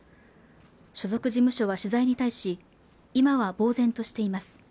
所属事務所は取材に対し今は呆然としています